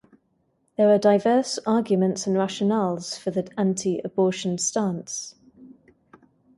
There are diverse arguments and rationales for the anti-abortion stance.